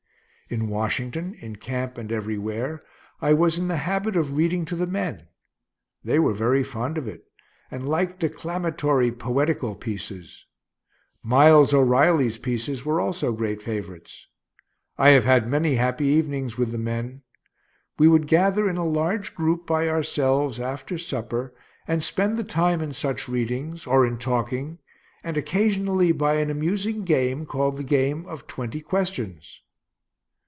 In Washington, in camp and everywhere, I was in the habit of reading to the men. They were very fond of it, and liked declamatory, poetical pieces. Miles O'Reilly's pieces were also great favorites. I have had many happy evenings with the men. We would gather in a large group by ourselves, after supper, and spend the time in such readings, or in talking, and occasionally by an amusing game called the game of Twenty Questions.